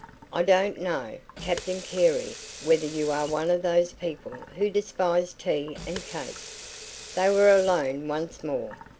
I don't know, Captain Carey, whether you are one of those people who despise tea and cake " They were alone once more.